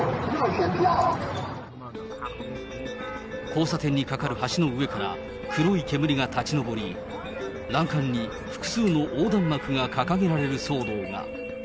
交差点に架かる橋の上から、黒い煙が立ち上り、欄干に複数の横断幕が掲げられる騒動が。